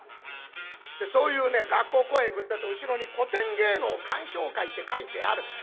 でそういうね学校公演行くってえと後ろに「古典芸能鑑賞会」って書いてある。